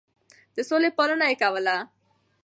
د سولې پالنه يې کوله.